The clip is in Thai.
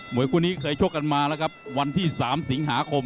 วยคู่นี้เคยชกกันมาแล้วครับวันที่๓สิงหาคม